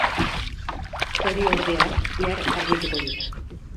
Hori, ordea, bihar argituko dut.